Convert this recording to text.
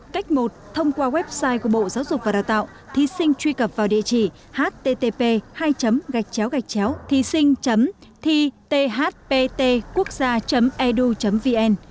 cách một thông qua website của bộ giáo dục và đào tạo thí sinh truy cập vào địa chỉ http thysinh thhptquốcgia edu vn